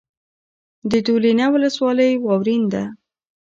د دولینه ولسوالۍ واورین ده